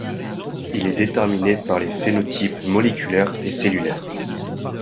Il est déterminé par les phénotypes moléculaires et cellulaires.